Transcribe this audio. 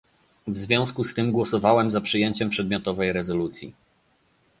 W związku z tym głosowałem za przyjęciem przedmiotowej rezolucji